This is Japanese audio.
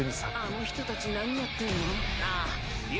あの人たち何やってるの？